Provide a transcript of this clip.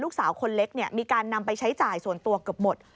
ลูกสาวคนเล็กมีการนำไปใช้จ่ายส่วนตัวเกือบหมด